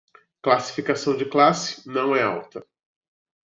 Classificação de classe não é alta